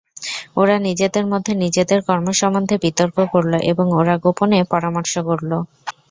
ওরা নিজেদের মধ্যে নিজেদের কর্ম সম্বন্ধে বিতর্ক করল এবং ওরা গোপনে পরামর্শ করল।